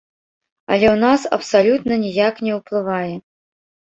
Але ў нас абсалютна ніяк не ўплывае.